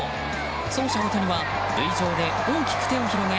走者・大谷は塁上で大きく手を広げ